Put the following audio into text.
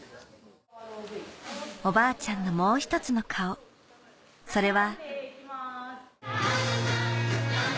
おばあちゃんのもう一つの顔それは